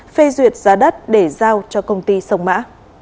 phê duyệt giá đất để giao cho công ty sông mã